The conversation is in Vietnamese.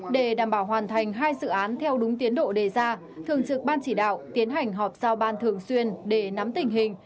để đảm bảo hoàn thành hai dự án theo đúng tiến độ đề ra thường trực ban chỉ đạo tiến hành họp giao ban thường xuyên để nắm tình hình